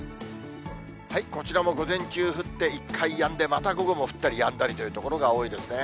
こちらも午前中、降って、一回やんで、また午後も降ったりやんだりという所が多いですね。